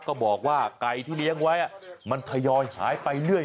ก็บอกว่าไก่ที่เลี้ยงไว้มันทยอยหายไปเรื่อย